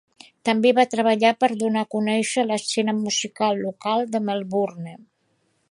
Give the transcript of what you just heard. També va treballar per donar a conèixer l'escena musical local de Melbourne.